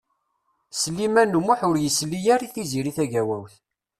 Sliman U Muḥ ur yesli ara i Tiziri Tagawawt.